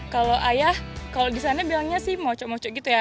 kalau ayah kalau di sana bilangnya sih moco mocok gitu ya